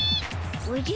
おじゃ？